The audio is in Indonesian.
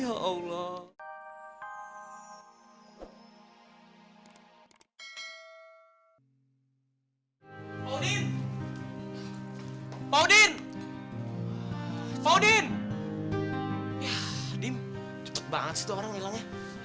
yah din cepet banget sih tuh orang hilangnya